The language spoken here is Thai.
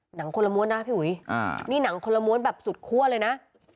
หนังคนละม้วนนะพี่อุ๋ยนี่หนังคนละม้วนแบบสุดคั่วเลยนะ